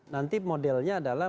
nanti modelnya adalah